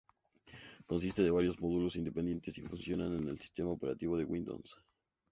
Consiste de varios módulos independientes y funcionan en el sistema operativo Windows.